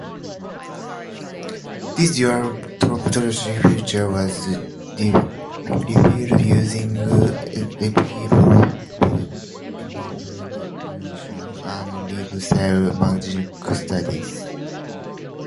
This dual topology feature was revealed using epitope immunoprecipitation and live cell imaging studies.